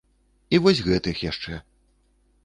І вось гэтых яшчэ.